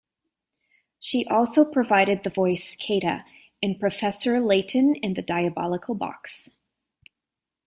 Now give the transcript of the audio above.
She also provided the voice Kaita in Professor Layton and the Diabolical Box.